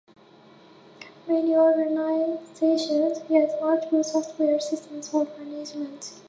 Many organizations use multiple software systems for management.